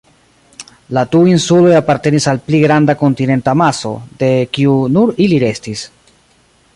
La du insuloj apartenis al pli granda kontinenta maso, de kiu nur ili restis.